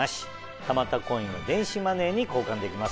たまったコインは電子マネーに交換できます。